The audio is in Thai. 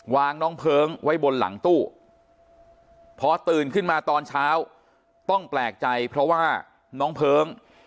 น้องเพลิงไว้บนหลังตู้พอตื่นขึ้นมาตอนเช้าต้องแปลกใจเพราะว่าน้องเพลิง